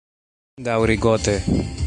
Daŭrigote